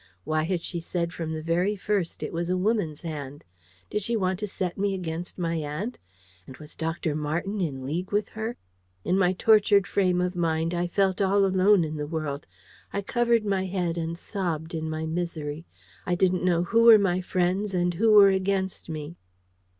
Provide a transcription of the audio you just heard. Why had she said from the very first it was a woman's hand? Did she want to set me against my aunt? And was Dr. Marten in league with her? In my tortured frame of mind, I felt all alone in the world. I covered my head and sobbed in my misery. I didn't know who were my friends and who were against me.